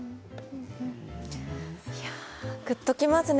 いやあ、ぐっときますね。